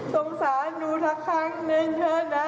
สงสารหนูสักครั้งนึงเถอะนะ